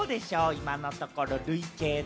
今のところ、累計で。